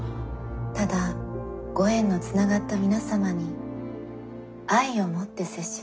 ただご縁のつながった皆様に愛を持って接しました。